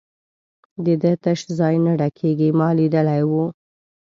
د ده تش ځای نه ډکېږي، ما لیدلی وو.